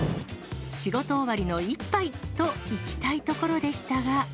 仕事終わりの一杯といきたいところでしたが。